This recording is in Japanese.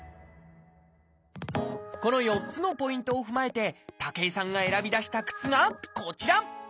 この４つのポイントを踏まえて武井さんが選び出した靴がこちら！